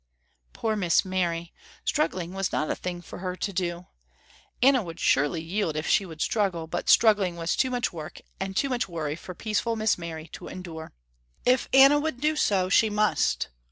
Poor Miss Mary. Struggling was not a thing for her to do. Anna would surely yield if she would struggle, but struggling was too much work and too much worry for peaceful Miss Mary to endure. If Anna would do so she must.